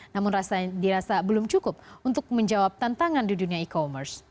namun dirasa belum cukup untuk menjawab tantangan di dunia e commerce